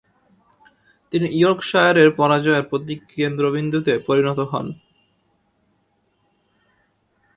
তিনি ইয়র্কশায়ারের পরাজয়ের প্রতীকী কেন্দ্রবিন্দুতে পরিণত হন।